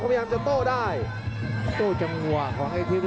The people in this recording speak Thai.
พยายามจะไถ่หน้านี่ครับการต้องเตือนเลยครับ